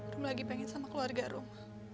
rom lagi pengen sama keluarga rum